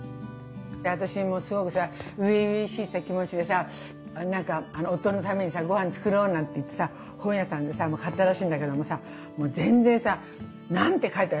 私もすごくさ初々しい気持ちでさなんか夫のためにさご飯作ろうなんて言ってさ本屋さんでさ買ったらしいんだけどもさもう全然さ何て書いてある。